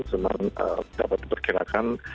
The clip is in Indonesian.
cuman dapat diperkirakan